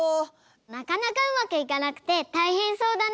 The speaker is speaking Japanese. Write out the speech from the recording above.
なかなかうまくいかなくてたいへんそうだね。